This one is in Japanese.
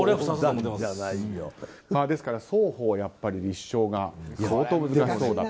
ですから、双方立証が相当難しそうだと。